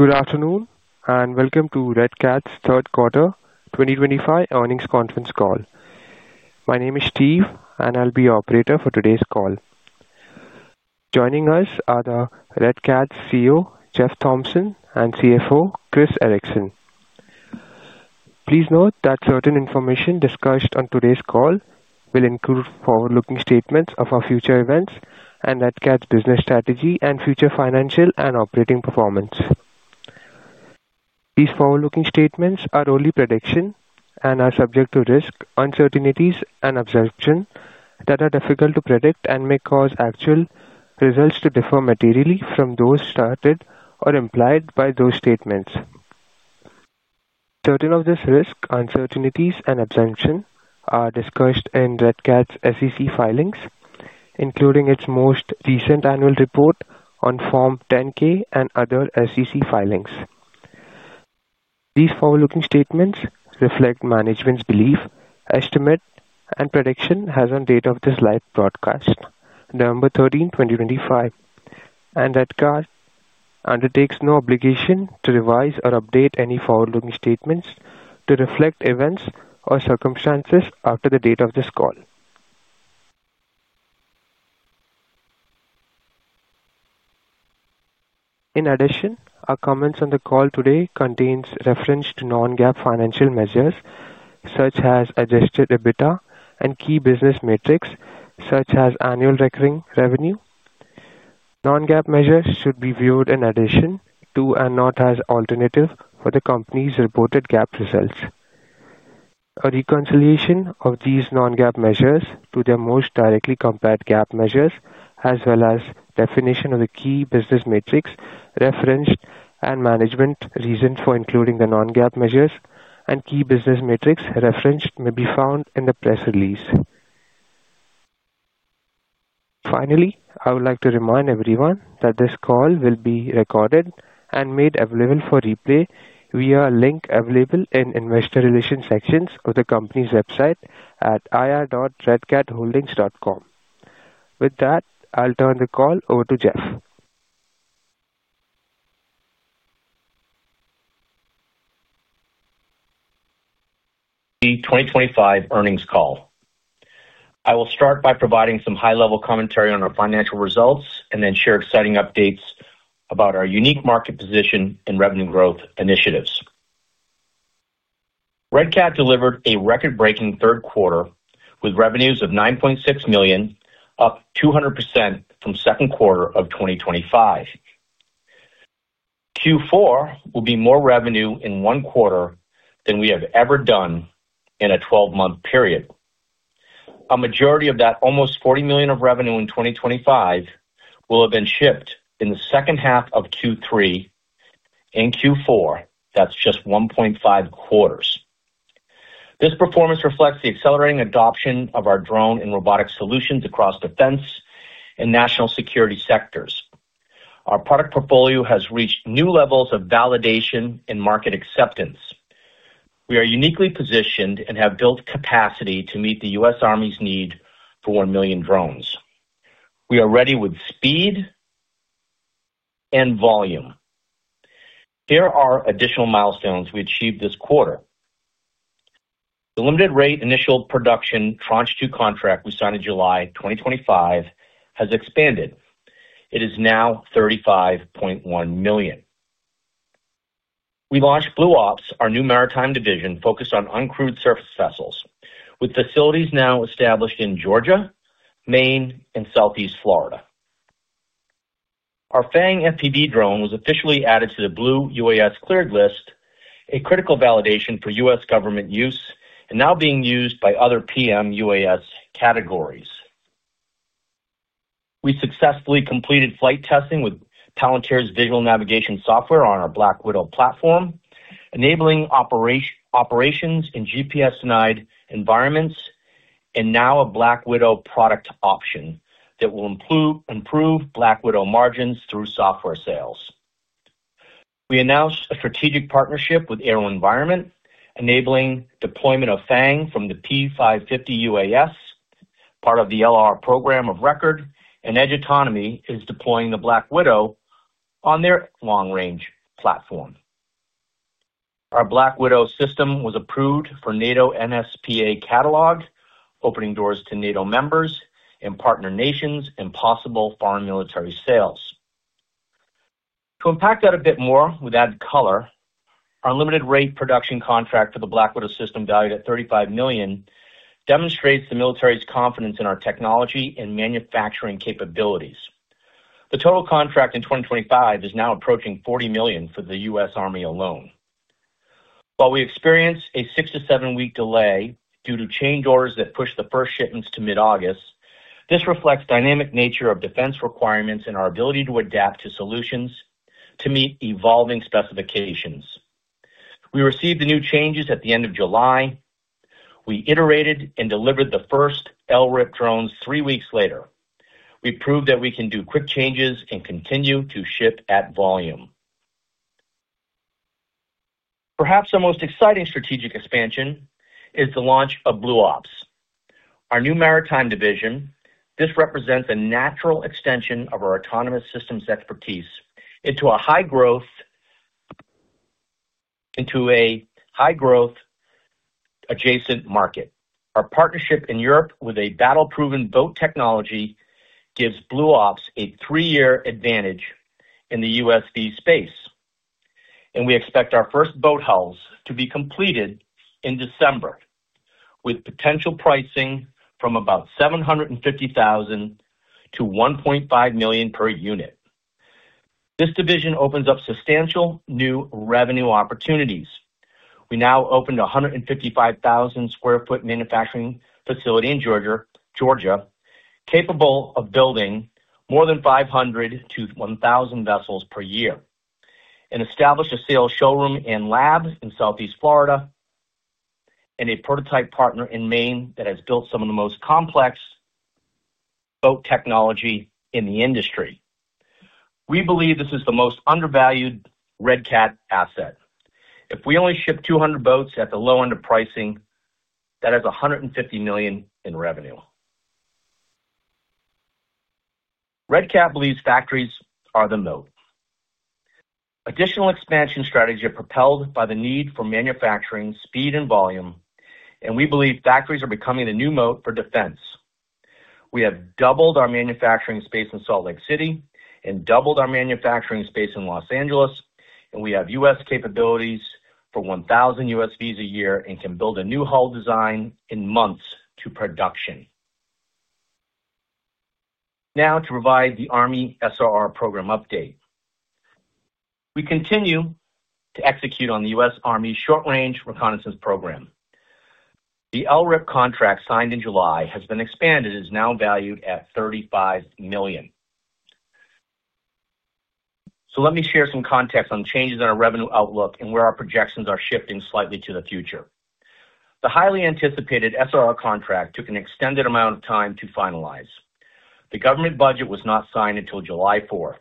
Good afternoon and welcome to Red Cat's third quarter 2025 earnings conference call. My name is Steve, and I'll be your operator for today's call. Joining us are the Red Cat CEO, Jeff Thompson, and CFO, Chris Ericson. Please note that certain information discussed on today's call will include forward-looking statements of our future events and Red Cat's business strategy and future financial and operating performance. These forward-looking statements are only predictions and are subject to risk, uncertainties, and assumptions that are difficult to predict and may cause actual results to differ materially from those stated or implied by those statements. Certain of these risks, uncertainties, and assumptions are discussed in Red Cat's SEC filings, including its most recent annual report on Form 10-K and other SEC filings. These forward-looking statements reflect management's belief, estimate, and prediction as on date of this live broadcast, November 13, 2025, and Red Cat undertakes no obligation to revise or update any forward-looking statements to reflect events or circumstances after the date of this call. In addition, our comments on the call today contain reference to non-GAAP financial measures such as adjusted EBITDA and key business metrics such as annual recurring revenue. Non-GAAP measures should be viewed in addition to and not as alternative for the company's reported GAAP results. A reconciliation of these non-GAAP measures to their most directly compared GAAP measures, as well as definition of the key business metrics referenced and management reason for including the non-GAAP measures and key business metrics referenced, may be found in the press release. Finally, I would like to remind everyone that this call will be recorded and made available for replay via a link available in the investor relations sections of the company's website at ir.redcatholdings.com. With that, I'll turn the call over to Jeff. The 2025 earnings call. I will start by providing some high-level commentary on our financial results and then share exciting updates about our unique market position and revenue growth initiatives. Red Cat delivered a record-breaking third quarter with revenues of $9.6 million, up 200% from second quarter of 2025. Q4 will be more revenue in one quarter than we have ever done in a 12-month period. A majority of that almost $40 million of revenue in 2025 will have been shipped in the second half of Q3. In Q4, that's just 1.5 quarters. This performance reflects the accelerating adoption of our drone and robotic solutions across defense and national security sectors. Our product portfolio has reached new levels of validation and market acceptance. We are uniquely positioned and have built capacity to meet the U.S. Army's need for 1 million drones. We are ready with speed and volume. Here are additional milestones we achieved this quarter. The Limited-Rate Initial Production tranche two contract we signed in July 2025 has expanded. It is now $35.1 million. We launched Blue Ops, our new maritime division focused on uncrewed surface vessels, with facilities now established in Georgia, Maine, and southeast Florida. Our FANG FPV drone was officially added to the Blue UAS cleared list, a critical validation for U.S. government use and now being used by other PM UAS categories. We successfully completed flight testing with Palantir's visual navigation software on our Black Widow platform, enabling operations in GPS-denied environments and now a Black Widow product option that will improve Black Widow margins through software sales. We announced a strategic partnership with AeroVironment, enabling deployment of FANG from the P550 UAS, part of the LR program of record, and Edge Autonomy is deploying the Black Widow on their long-range platform. Our Black Widow system was approved for NATO NSPA Catalog, opening doors to NATO members and partner nations and possible foreign military sales. To unpack that a bit more with added color, our limited-rate production contract for the Black Widow system, valued at $35 million, demonstrates the military's confidence in our technology and manufacturing capabilities. The total contract in 2025 is now approaching $40 million for the U.S. Army alone. While we experience a six- to seven-week delay due to chain doors that pushed the first shipments to mid-August, this reflects the dynamic nature of defense requirements and our ability to adapt to solutions to meet evolving specifications. We received the new changes at the end of July. We iterated and delivered the first LRIP drones three weeks later. We proved that we can do quick changes and continue to ship at volume. Perhaps our most exciting strategic expansion is the launch of Blue Ops, our new maritime division. This represents a natural extension of our autonomous systems expertise into a high-growth adjacent market. Our partnership in Europe with a battle-proven boat technology gives Blue Ops a three-year advantage in the USV space, and we expect our first boat hulls to be completed in December, with potential pricing from about $750,000-$1.5 million per unit. This division opens up substantial new revenue opportunities. We now opened a 155,000 sq ft manufacturing facility in Georgia, capable of building more than 500-1,000 vessels per year, and established a sales showroom and lab in southeast Florida, and a prototype partner in Maine that has built some of the most complex boat technology in the industry. We believe this is the most undervalued Red Cat asset. If we only ship 200 boats at the low end of pricing, that is $150 million in revenue. Red Cat believes factories are the moat. Additional expansion strategies are propelled by the need for manufacturing speed and volume, and we believe factories are becoming the new moat for defense. We have doubled our manufacturing space in Salt Lake City and doubled our manufacturing space in Los Angeles, and we have U.S. capabilities for 1,000 USVs a year and can build a new hull design in months to production. Now, to provide the Army SRR program update, we continue to execute on the U.S. Army's short-range reconnaissance program. The LRIP contract signed in July has been expanded and is now valued at $35.1 million. Let me share some context on changes in our revenue outlook and where our projections are shifting slightly to the future. The highly anticipated SRR contract took an extended amount of time to finalize. The government budget was not signed until July 4,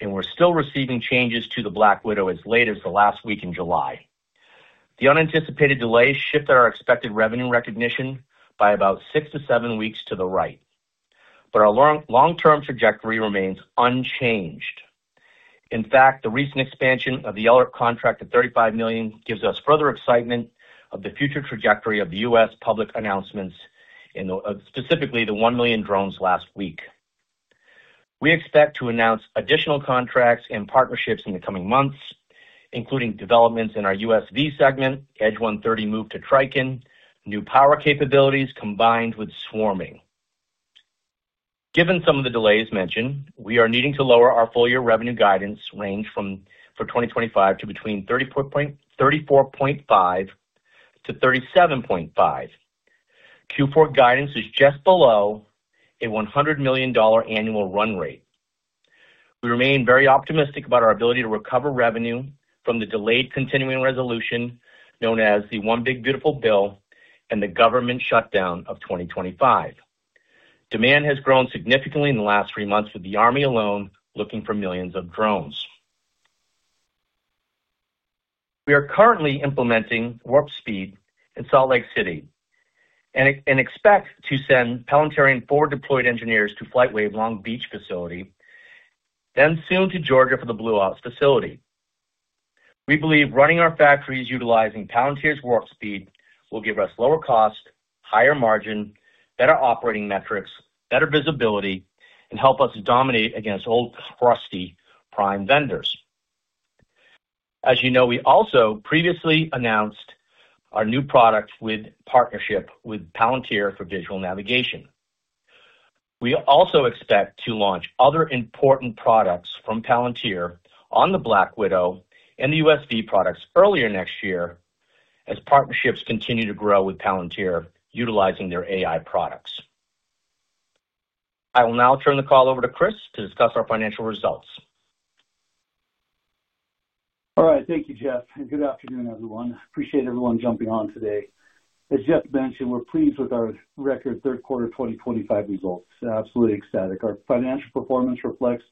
and we're still receiving changes to the Black Widow as late as the last week in July. The unanticipated delay shifted our expected revenue recognition by about six to seven weeks to the right, but our long-term trajectory remains unchanged. In fact, the recent expansion of the LRIP contract to $35.1 million gives us further excitement of the future trajectory of the U.S. public announcements, specifically the 1 million drones last week. We expect to announce additional contracts and partnerships in the coming months, including developments in our USV segment, Edge 130 move to TRICHON, new power capabilities combined with swarming. Given some of the delays mentioned, we are needing to lower our full-year revenue guidance range for 2025 to between $34.5 million and $37.5 million. Q4 guidance is just below a $100 million annual run rate. We remain very optimistic about our ability to recover revenue from the delayed continuing resolution known as the One Big Beautiful Bill and the government shutdown of 2025. Demand has grown significantly in the last three months, with the Army alone looking for millions of drones. We are currently implementing Warp Speed in Salt Lake City and expect to send Palantir and four deployed engineers to FlightWave Long Beach facility, then soon to Georgia for the Blue Ops facility. We believe running our factories utilizing Palantir's Warp Speed will give us lower cost, higher margin, better operating metrics, better visibility, and help us dominate against old, frosty prime vendors. As you know, we also previously announced our new product with partnership with Palantir for visual navigation. We also expect to launch other important products from Palantir on the Black Widow and the USV products earlier next year as partnerships continue to grow with Palantir utilizing their AI products. I will now turn the call over to Chris to discuss our financial results. All right. Thank you, Jeff. And good afternoon, everyone. Appreciate everyone jumping on today. As Jeff mentioned, we're pleased with our record third quarter 2025 results. Absolutely ecstatic. Our financial performance reflects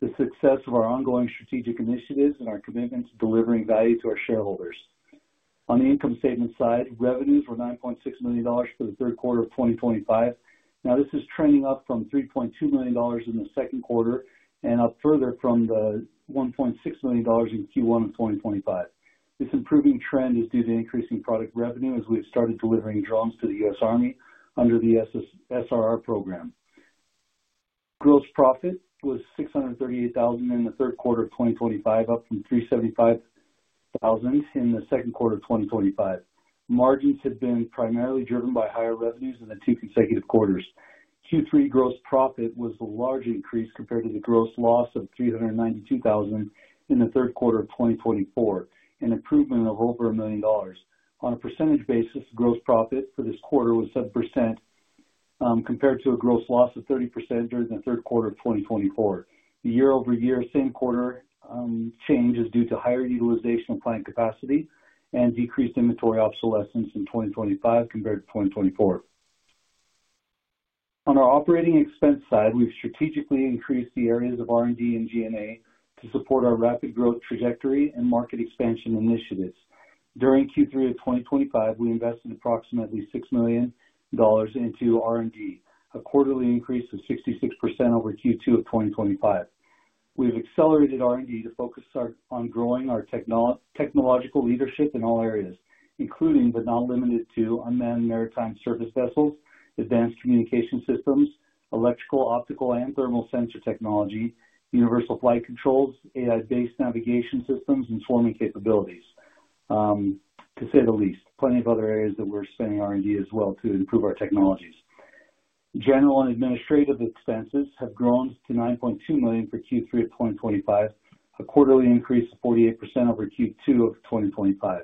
the success of our ongoing strategic initiatives and our commitment to delivering value to our shareholders. On the income statement side, revenues were $9.6 million for the third quarter of 2025. Now, this is trending up from $3.2 million in the second quarter and up further from the $1.6 million in Q1 of 2025. This improving trend is due to increasing product revenue as we have started delivering drones to the U.S. Army under the SRR program. Gross profit was $638,000 in the third quarter of 2025, up from $375,000 in the second quarter of 2025. Margins have been primarily driven by higher revenues in the two consecutive quarters. Q3 gross profit was a large increase compared to the gross loss of $392,000 in the third quarter of 2024, an improvement of over a million dollars. On a percentage basis, gross profit for this quarter was 7% compared to a gross loss of 30% during the third quarter of 2024. The year-over-year same quarter change is due to higher utilization of plant capacity and decreased inventory obsolescence in 2025 compared to 2024. On our operating expense side, we've strategically increased the areas of R&D and G&A to support our rapid growth trajectory and market expansion initiatives. During Q3 of 2025, we invested approximately $6 million into R&D, a quarterly increase of 66% over Q2 of 2025. We've accelerated R&D to focus on growing our technological leadership in all areas, including but not limited to unmanned maritime surface vessels, advanced communication systems, electrical, optical, and thermal sensor technology, universal flight controls, AI-based navigation systems, and swarming capabilities, to say the least. Plenty of other areas that we're spending R&D as well to improve our technologies. General and administrative expenses have grown to $9.2 million for Q3 of 2025, a quarterly increase of 48% over Q2 of 2025.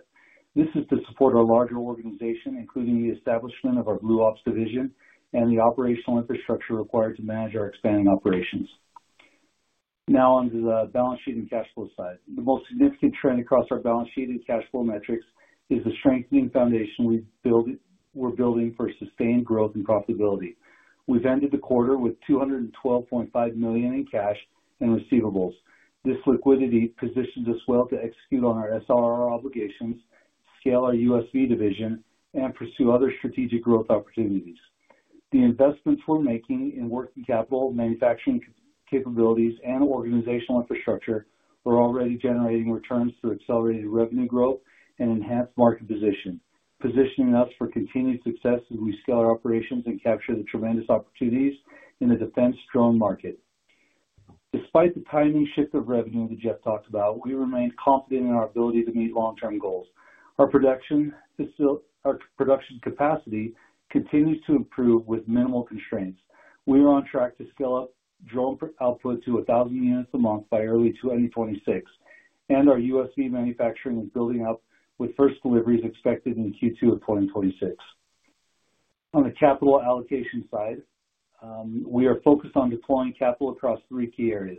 This is to support our larger organization, including the establishment of our Blue Ops division and the operational infrastructure required to manage our expanding operations. Now, onto the balance sheet and cash flow side. The most significant trend across our balance sheet and cash flow metrics is the strengthening foundation we're building for sustained growth and profitability. We've ended the quarter with $212.5 million in cash and receivables. This liquidity positions us well to execute on our SRR obligations, scale our USV division, and pursue other strategic growth opportunities. The investments we're making in working capital, manufacturing capabilities, and organizational infrastructure are already generating returns through accelerated revenue growth and enhanced market position, positioning us for continued success as we scale our operations and capture the tremendous opportunities in the defense drone market. Despite the timing shift of revenue that Jeff talked about, we remain confident in our ability to meet long-term goals. Our production capacity continues to improve with minimal constraints. We are on track to scale up drone output to 1,000 units a month by early 2026, and our USV manufacturing is building up with first deliveries expected in Q2 of 2026. On the capital allocation side, we are focused on deploying capital across three key areas.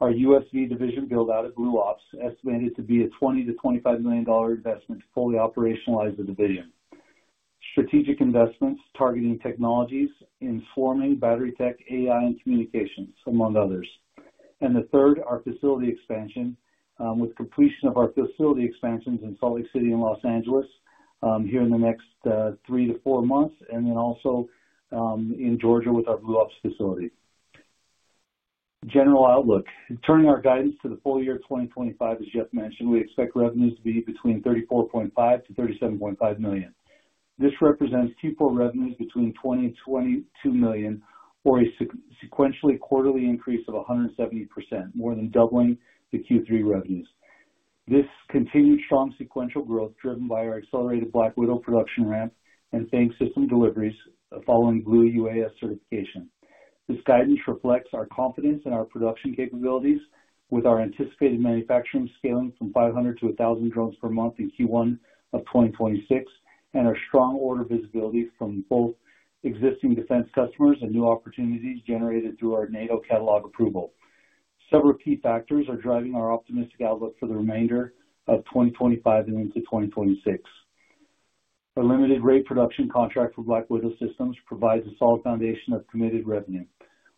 Our USV division built out of Blue Ops, estimated to be a $20 million-$25 million investment to fully operationalize the division. Strategic investments targeting technologies in swarming, battery tech, AI, and communications, among others. The third, our facility expansion with completion of our facility expansions in Salt Lake City and Los Angeles here in the next three to four months, and then also in Georgia with our Blue Ops facility. General outlook. Turning our guidance to the full year of 2025, as Jeff mentioned, we expect revenues to be between $34.5 million-$37.5 million. This represents Q4 revenues between $20 million-$22 million, or a sequentially quarterly increase of 170%, more than doubling the Q3 revenues. This continued strong sequential growth driven by our accelerated Black Widow production ramp and FANG system deliveries following Blue UAS certification. This guidance reflects our confidence in our production capabilities, with our anticipated manufacturing scaling from 500 to 1,000 drones per month in Q1 of 2026 and our strong order visibility from both existing defense customers and new opportunities generated through our NATO catalog approval. Several key factors are driving our optimistic outlook for the remainder of 2025 and into 2026. Our limited-rate production contract for Black Widow systems provides a solid foundation of committed revenue,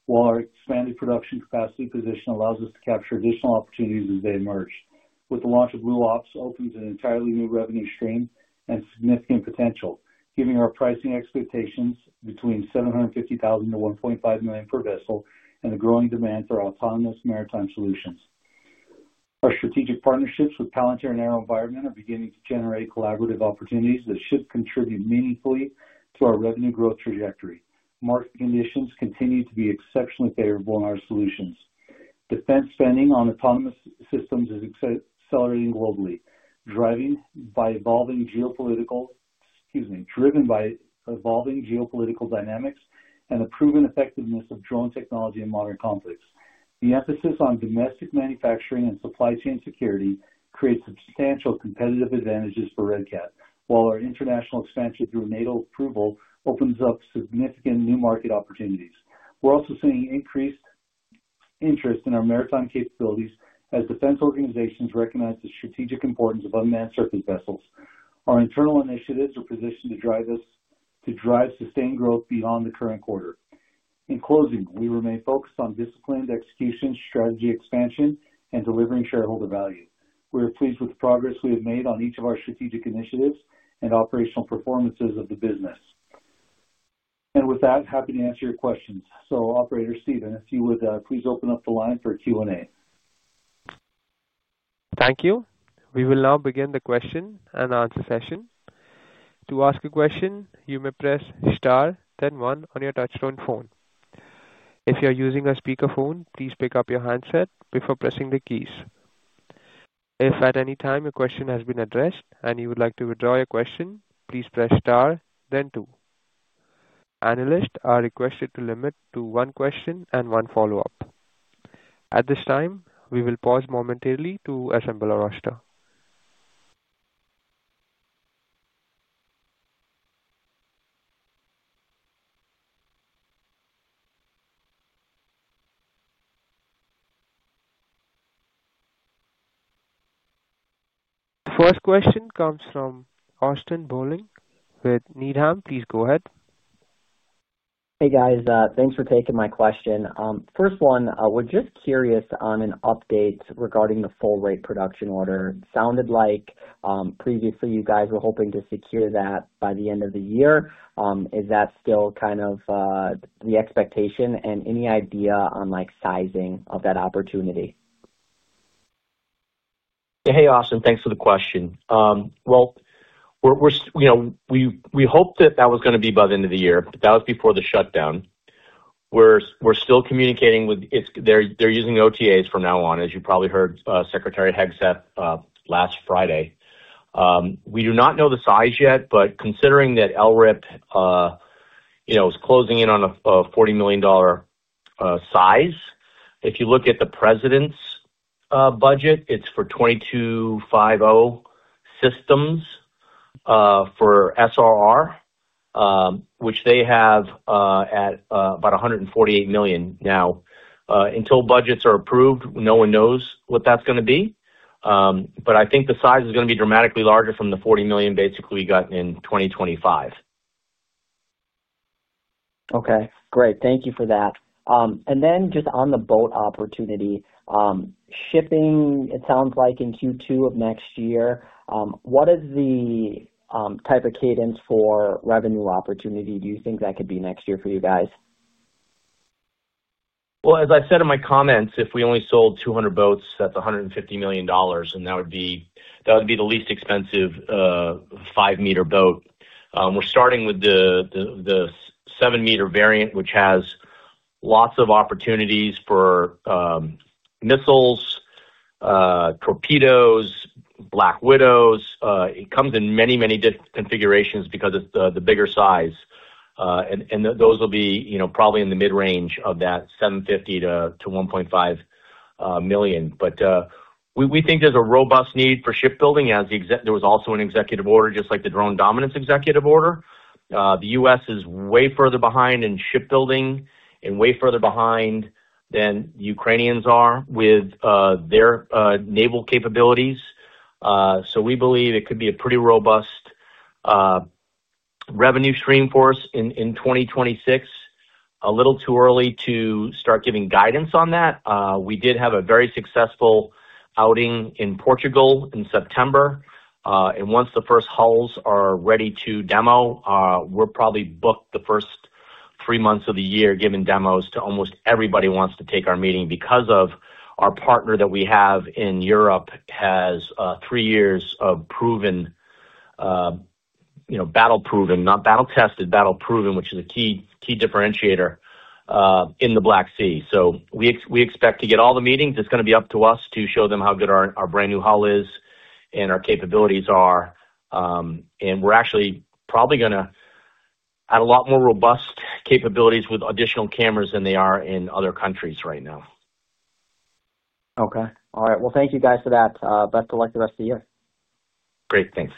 while our expanded production capacity position allows us to capture additional opportunities as they emerge. With the launch of Blue Ops, it opens an entirely new revenue stream and significant potential, giving our pricing expectations between $750,000-$1.5 million per vessel and the growing demand for autonomous maritime solutions. Our strategic partnerships with Palantir and AeroVironment are beginning to generate collaborative opportunities that should contribute meaningfully to our revenue growth trajectory. Market conditions continue to be exceptionally favorable in our solutions. Defense spending on autonomous systems is accelerating globally, driven by evolving geopolitical dynamics and the proven effectiveness of drone technology in modern conflicts. The emphasis on domestic manufacturing and supply chain security creates substantial competitive advantages for Red Cat, while our international expansion through NATO approval opens up significant new market opportunities. We are also seeing increased interest in our maritime capabilities as defense organizations recognize the strategic importance of unmanned surface vessels. Our internal initiatives are positioned to drive sustained growth beyond the current quarter. In closing, we remain focused on disciplined execution, strategy expansion, and delivering shareholder value. We are pleased with the progress we have made on each of our strategic initiatives and operational performances of the business. With that, happy to answer your questions. Operator Steven, if you would please open up the line for a Q&A. Thank you. We will now begin the question and answer session. To ask a question, you may press star, then one on your touchscreen phone. If you are using a speakerphone, please pick up your handset before pressing the keys. If at any time your question has been addressed and you would like to withdraw your question, please press star, then two. Analysts are requested to limit to one question and one follow-up. At this time, we will pause momentarily to assemble our roster. The first question comes from Austin Bohlig with Needham. Please go ahead. Hey, guys. Thanks for taking my question. First one, we're just curious on an update regarding the full-rate production order. It sounded like previously you guys were hoping to secure that by the end of the year. Is that still kind of the expectation? Any idea on sizing of that opportunity? Hey, Austin. Thanks for the question. That was going to be by the end of the year, but that was before the shutdown. We're still communicating with them. They're using OTAs from now on, as you probably heard Secretary Hegseth last Friday. We do not know the size yet, but considering that LRIP is closing in on a $40 million size, if you look at the president's budget, it's for 2,250 systems for SRR, which they have at about $148 million. Now, until budgets are approved, no one knows what that's going to be. I think the size is going to be dramatically larger from the $40 million basically we got in 2025. Okay. Great. Thank you for that. And then just on the boat opportunity, shipping, it sounds like in Q2 of next year, what is the type of cadence for revenue opportunity? Do you think that could be next year for you guys? As I said in my comments, if we only sold 200 boats, that's $150 million, and that would be the least expensive 5 m boat. We're starting with the seven-meter variant, which has lots of opportunities for missiles, torpedoes, Black Widows. It comes in many, many different configurations because it's the bigger size. Those will be probably in the mid-range of that $750,000-$1.5 million. We think there's a robust need for shipbuilding, as there was also an executive order just like the drone dominance executive order. The U.S. is way further behind in shipbuilding and way further behind than the Ukrainians are with their naval capabilities. We believe it could be a pretty robust revenue stream for us in 2026. A little too early to start giving guidance on that. We did have a very successful outing in Portugal in September. Once the first hulls are ready to demo, we're probably booked the first three months of the year giving demos to almost everybody who wants to take our meeting because our partner that we have in Europe has three years of proven battle-proven, not battle-tested, battle-proven, which is a key differentiator in the Black Sea. We expect to get all the meetings. It's going to be up to us to show them how good our brand new hull is and our capabilities are. We're actually probably going to add a lot more robust capabilities with additional cameras than they are in other countries right now. Okay. All right. Thank you, guys, for that. Best of luck the rest of the year. Great. Thanks.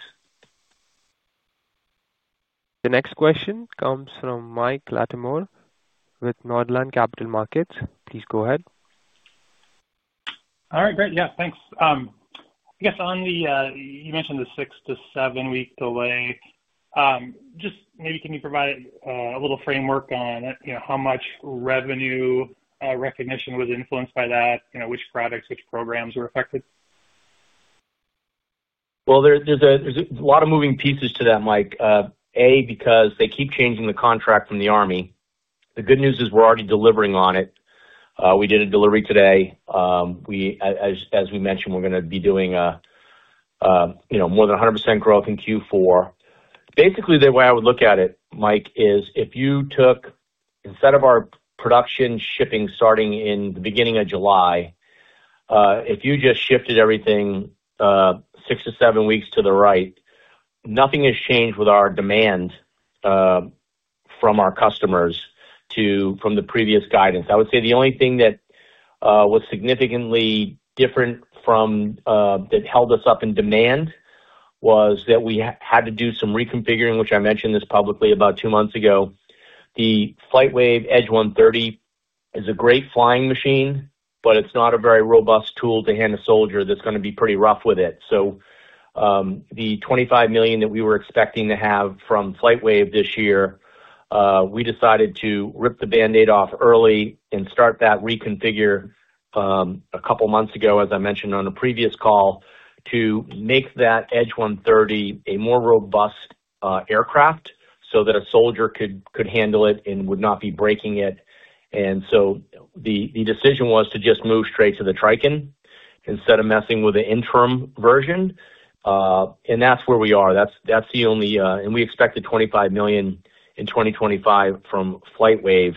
The next question comes from Mike Latimore with Northland Capital Markets. Please go ahead. All right. Great. Yeah. Thanks. I guess on the, you mentioned the six to seven-week delay. Just maybe can you provide a little framework on how much revenue recognition was influenced by that? Which products, which programs were affected? There is a lot of moving pieces to that, Mike. A, because they keep changing the contract from the Army. The good news is we're already delivering on it. We did a delivery today. As we mentioned, we're going to be doing more than 100% growth in Q4. Basically, the way I would look at it, Mike, is if you took instead of our production shipping starting in the beginning of July, if you just shifted everything six to seven weeks to the right, nothing has changed with our demand from our customers from the previous guidance. I would say the only thing that was significantly different that held us up in demand was that we had to do some reconfiguring, which I mentioned this publicly about two months ago. The FlightWave Edge 130 is a great flying machine, but it's not a very robust tool to hand a soldier that's going to be pretty rough with it. The $25 million that we were expecting to have from FlightWave this year, we decided to rip the Band-Aid off early and start that reconfigure a couple of months ago, as I mentioned on a previous call, to make that Edge 130 a more robust aircraft so that a soldier could handle it and would not be breaking it. The decision was to just move straight to the TRICHON instead of messing with the interim version. That's where we are. That's the only and we expected $25 million in 2025 from FlightWave,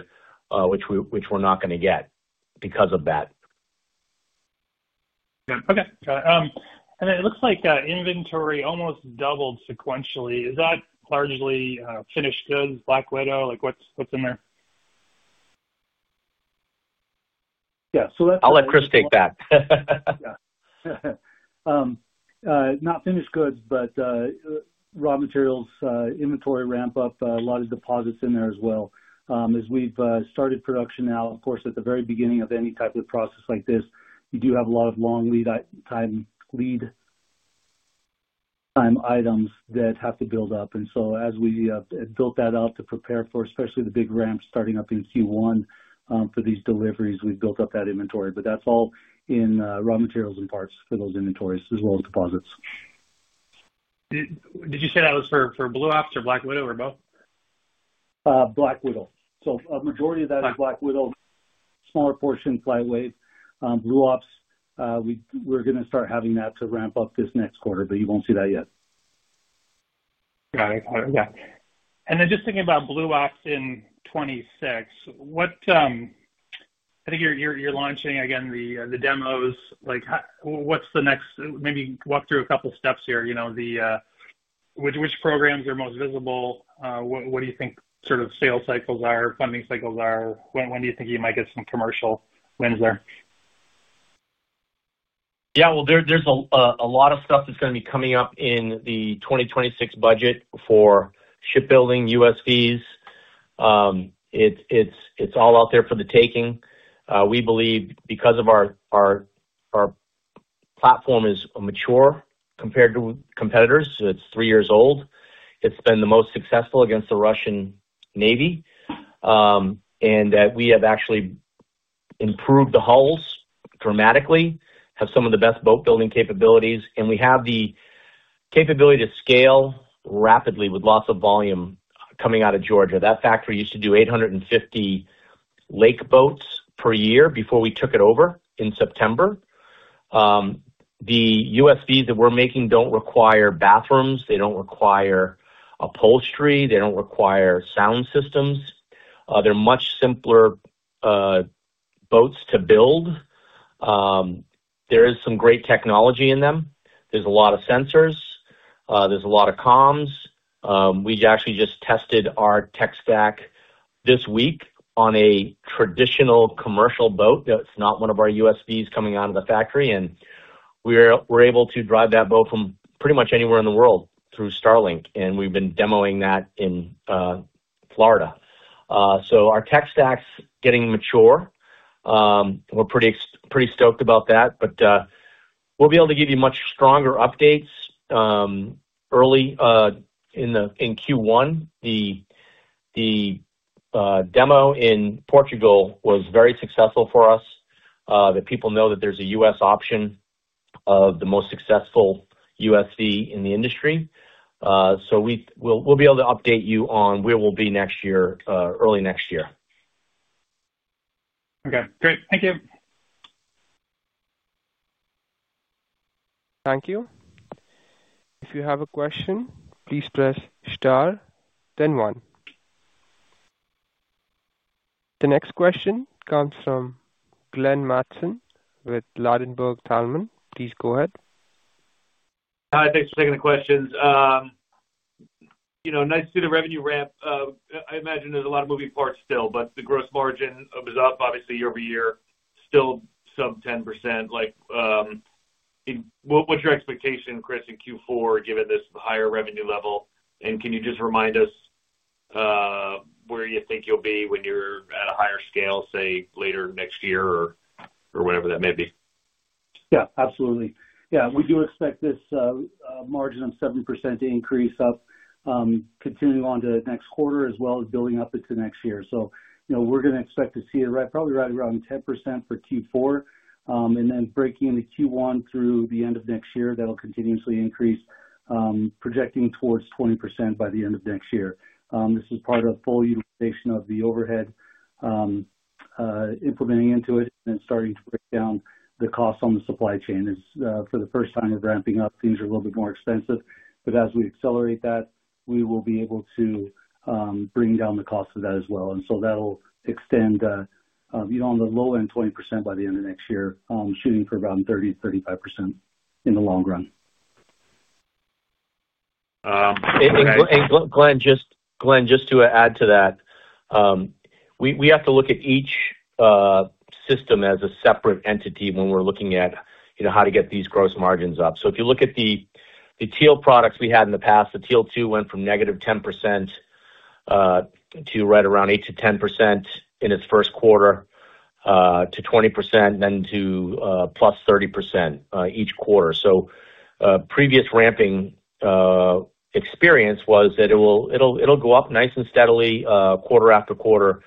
which we're not going to get because of that. Okay. Got it. It looks like inventory almost doubled sequentially. Is that largely finished goods, Black Widow? What's in there? Yeah. So that's. I'll let Chris take that. Yeah. Not finished goods, but raw materials, inventory ramp up, a lot of deposits in there as well. As we've started production now, of course, at the very beginning of any type of process like this, you do have a lot of long lead time items that have to build up. As we built that out to prepare for especially the big ramp starting up in Q1 for these deliveries, we've built up that inventory. That's all in raw materials and parts for those inventories as well as deposits. Did you say that was for Blue Ops or Black Widow or both? Black Widow. A majority of that is Black Widow, smaller portion FlightWave. Blue Ops, we're going to start having that to ramp up this next quarter, but you won't see that yet. Got it. All right. Yeah. And then just thinking about Blue Ops in 2026, I think you're launching again the demos. What's the next, maybe walk through a couple of steps here. Which programs are most visible? What do you think sort of sales cycles are, funding cycles are? When do you think you might get some commercial wins there? Yeah. There is a lot of stuff that is going to be coming up in the 2026 budget for shipbuilding, USVs. It is all out there for the taking. We believe because our platform is mature compared to competitors, it is three years old. It has been the most successful against the Russian Navy. We have actually improved the hulls dramatically, have some of the best boat building capabilities, and we have the capability to scale rapidly with lots of volume coming out of Georgia. That factory used to do 850 lake boats per year before we took it over in September. The USVs that we are making do not require bathrooms. They do not require upholstery. They do not require sound systems. They are much simpler boats to build. There is some great technology in them. There are a lot of sensors. There is a lot of comms. We actually just tested our tech stack this week on a traditional commercial boat that's not one of our USVs coming out of the factory. We were able to drive that boat from pretty much anywhere in the world through Starlink. We've been demoing that in Florida. Our tech stack's getting mature. We're pretty stoked about that. We'll be able to give you much stronger updates early in Q1. The demo in Portugal was very successful for us. People know that there's a U.S. option of the most successful USV in the industry. We'll be able to update you on where we'll be next year, early next year. Okay. Great. Thank you. Thank you. If you have a question, please press star, then one. The next question comes from Glenn Mattson with Ladenburg Thalmann. Please go ahead. Hi. Thanks for taking the questions. Nice to see the revenue ramp. I imagine there's a lot of moving parts still, but the gross margin is up, obviously, year over year, still sub 10%. What's your expectation, Chris, in Q4 given this higher revenue level? Can you just remind us where you think you'll be when you're at a higher scale, say, later next year or whatever that may be? Yeah. Absolutely. Yeah. We do expect this margin of 7% to increase up continuing on to next quarter as well as building up into next year. We are going to expect to see it probably right around 10% for Q4. Breaking into Q1 through the end of next year, that'll continuously increase, projecting towards 20% by the end of next year. This is part of full utilization of the overhead implementing into it and then starting to break down the cost on the supply chain. For the first time, we're ramping up. Things are a little bit more expensive. As we accelerate that, we will be able to bring down the cost of that as well. That'll extend on the low end, 20% by the end of next year, shooting for about 30%-35% in the long run. Glenn, just to add to that, we have to look at each system as a separate entity when we're looking at how to get these gross margins up. If you look at the Teal products we had in the past, the Teal 2 went from -10% to right around 8%-10% in its first quarter to 20%, then to +30% each quarter. Previous ramping experience was that it'll go up nice and steadily quarter after quarter,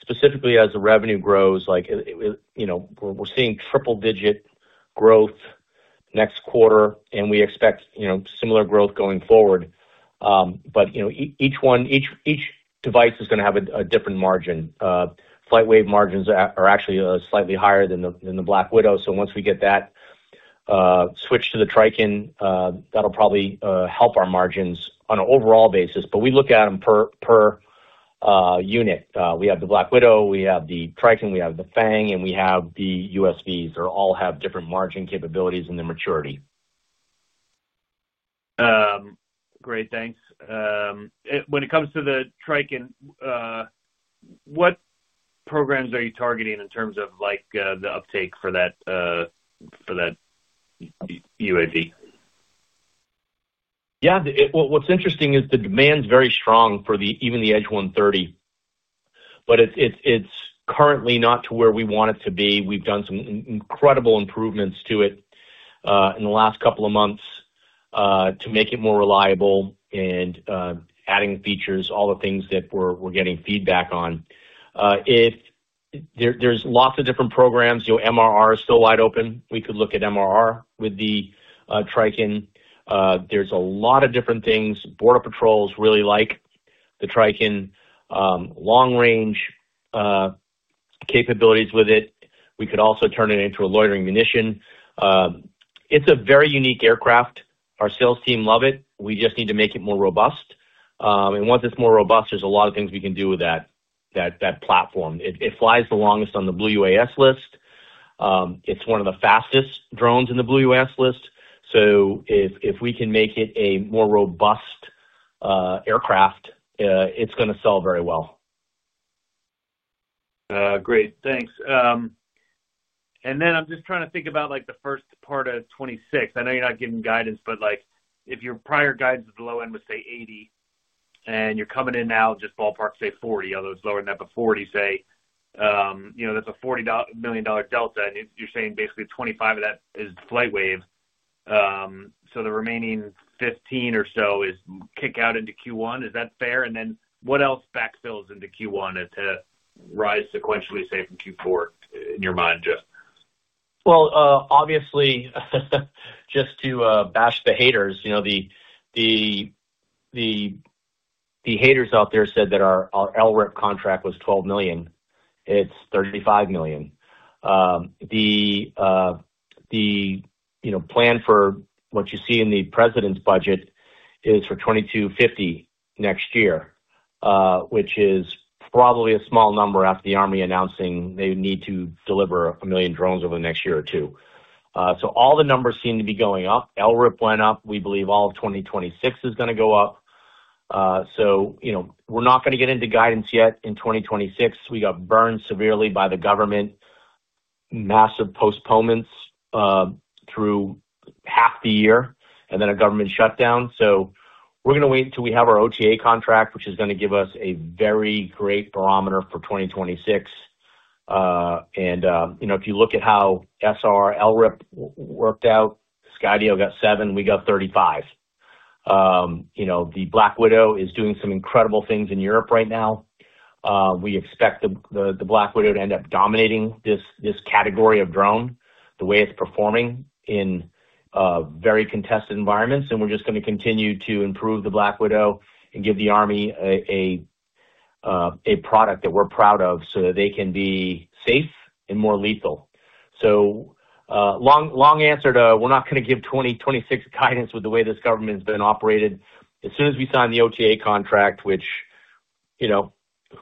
specifically as the revenue grows. We're seeing triple-digit growth next quarter, and we expect similar growth going forward. Each device is going to have a different margin. FlightWave margins are actually slightly higher than the Black Widow. Once we get that switched to the TRICHON, that'll probably help our margins on an overall basis. We look at them per unit. We have the Black Widow, we have the TRICHON, we have the FANG, and we have the USVs. They all have different margin capabilities and their maturity. Great. Thanks. When it comes to the TRICHON, what programs are you targeting in terms of the uptake for that UAV? Yeah. What's interesting is the demand's very strong for even the Edge 130. But it's currently not to where we want it to be. We've done some incredible improvements to it in the last couple of months to make it more reliable and adding features, all the things that we're getting feedback on. There's lots of different programs. MRR is still wide open. We could look at MRR with the TRICHON. There's a lot of different things. Border Patrols really like the TRICHON long-range capabilities with it. We could also turn it into a loitering munition. It's a very unique aircraft. Our sales team love it. We just need to make it more robust. Once it's more robust, there's a lot of things we can do with that platform. It flies the longest on the Blue UAS list. It's one of the fastest drones in the Blue UAS list. If we can make it a more robust aircraft, it's going to sell very well. Great. Thanks. I'm just trying to think about the first part of 2026. I know you're not giving guidance, but if your prior guidance at the low end was, say, 80, and you're coming in now, just ballpark, say, 40, although it's lower than that, but 40, say, that's a $40 million delta, and you're saying basically 25 of that is FlightWave. The remaining 15 or so is kick out into Q1. Is that fair? What else backfills into Q1 to rise sequentially, say, from Q4 in your mind, Jeff? Obviously, just to bash the haters, the haters out there said that our LRIP contract was $12 million. It's $35 million. The plan for what you see in the president's budget is for 2,250 next year, which is probably a small number after the Army announcing they need to deliver a million drones over the next year or two. All the numbers seem to be going up. LRIP went up. We believe all of 2026 is going to go up. We're not going to get into guidance yet in 2026. We got burned severely by the government, massive postponements through half the year, and then a government shutdown. We're going to wait until we have our OTA contract, which is going to give us a very great barometer for 2026. If you look at how SRR LRIP worked out, Skydio got 7. We got 35. The Black Widow is doing some incredible things in Europe right now. We expect the Black Widow to end up dominating this category of drone the way it's performing in very contested environments. We're just going to continue to improve the Black Widow and give the Army a product that we're proud of so that they can be safe and more lethal. Long answer to we're not going to give 2026 guidance with the way this government's been operated. As soon as we sign the OTA contract, which who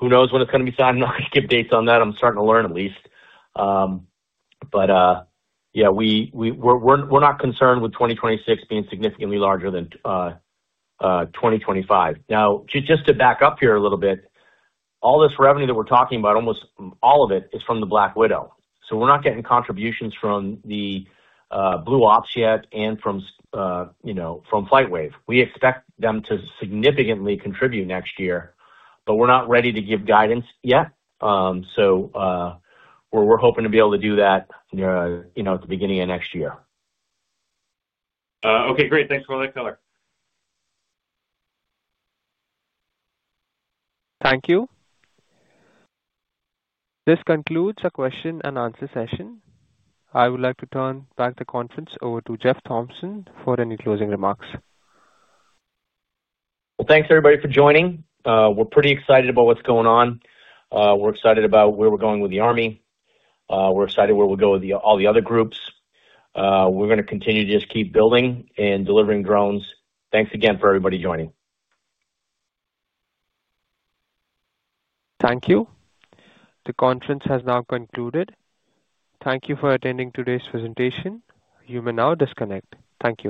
knows when it's going to be signed? I'm not going to give dates on that. I'm starting to learn at least. Yeah, we're not concerned with 2026 being significantly larger than 2025. Now, just to back up here a little bit, all this revenue that we're talking about, almost all of it, is from the Black Widow. We're not getting contributions from the Blue Ops yet and from FlightWave. We expect them to significantly contribute next year, but we're not ready to give guidance yet. We're hoping to be able to do that at the beginning of next year. Okay. Great. Thanks for all that color. Thank you. This concludes our question and answer session. I would like to turn back the conference over to Jeff Thompson for any closing remarks. Thanks, everybody, for joining. We're pretty excited about what's going on. We're excited about where we're going with the army. We're excited where we'll go with all the other groups. We're going to continue to just keep building and delivering drones. Thanks again for everybody joining. Thank you. The conference has now concluded. Thank you for attending today's presentation. You may now disconnect. Thank you.